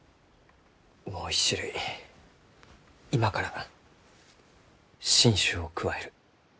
もう一種類今から新種を加える。